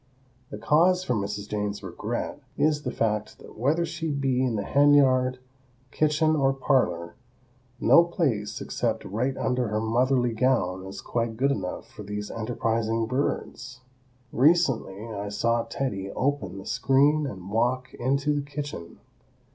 The cause for Mrs. Jane's regret is the fact that whether she be in the hen yard, kitchen or parlor, no place except right under her motherly gown is quite good enough for these enterprising birds. Recently I saw "Teddy" open the screen and walk into the kitchen.